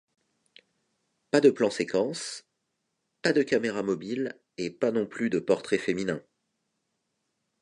Pas de plan-séquence, pas de caméra mobile et pas non plus de portrait féminin.